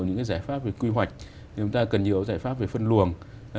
những cái giải pháp về quy hoạch thì chúng ta cần nhiều giải pháp về phân luồng